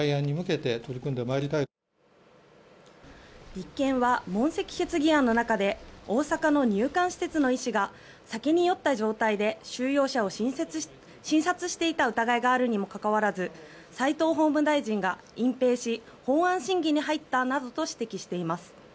立憲は問責決議案の中で大阪の入管施設の医師が酒に酔った状態で収容者を診察していた疑いがあるにもかかわらず斎藤法務大臣が隠ぺいし法案審議に入ったなどと指摘しています。